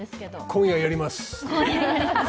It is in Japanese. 今夜やります！